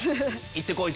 行って来い！